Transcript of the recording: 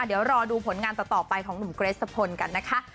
เดี๋ยวรอดูผลงานต่อไปของหนุ่มเกรสสะพลกันนะคะ